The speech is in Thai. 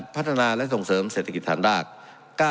พัฒนาและส่งเสริมเศรษฐกิจฐานราก